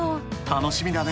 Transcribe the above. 楽しみだね！